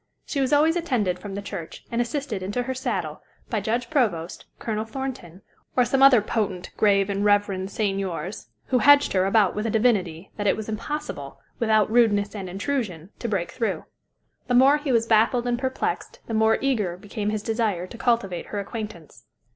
She was always attended from the church and assisted into her saddle by Judge Provost, Colonel Thornton, or some other "potent, grave and reverend seignors," who "hedged her about with a divinity" that it was impossible, without rudeness and intrusion, to break through. The more he was baffled and perplexed, the more eager became his desire to cultivate her acquaintance.